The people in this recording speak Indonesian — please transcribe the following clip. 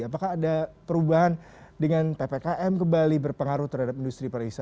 apakah ada perubahan dengan ppkm kembali berpengaruh terhadap industri pariwisata